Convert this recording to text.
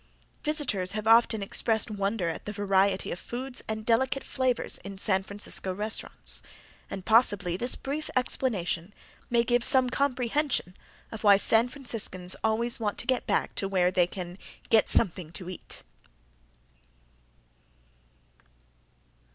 Visitors have often expressed wonder at the variety of foods and delicate flavors in San Francisco restaurants, and possibly this brief explanation may give some comprehension of why San Franciscans always want to get back to where they "can get something to eat."